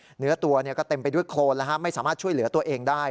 เหนือตัวก็เต็มไปด้วยโครนไม่สามารถช่วยเหลือตัวเองได้